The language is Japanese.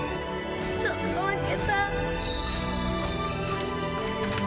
ちょっと負けた！